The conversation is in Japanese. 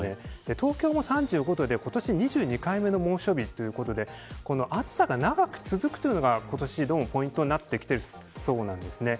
東京も３５度で今年２２回目の猛暑日ということで暑さが長く続くというのが今年どうもポイントになってきていそうなんですね。